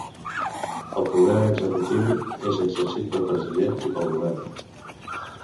El poder executiu és exercit pel president i pel govern.